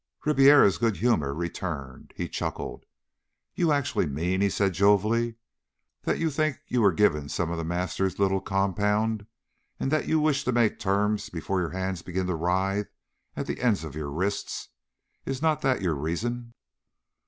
Ribiera's good humor returned. He chuckled. "You actually mean," he said jovially, "that you think you were given some of The Master's little compound, and that you wish to make terms before your hands begin to writhe at the ends of your wrists. Is not that your reason?"